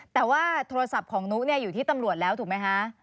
แต่ว่าโทรศัพท์ของนุอยู่ที่ตำรวจแล้วถูกไหมคะ